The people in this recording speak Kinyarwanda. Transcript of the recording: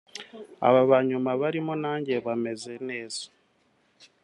aba banyuma barimo nanjye bameze neza